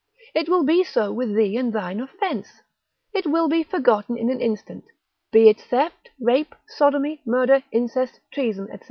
It will be so with thee and thine offence, it will be forgotten in an instant, be it theft, rape, sodomy, murder, incest, treason, &c.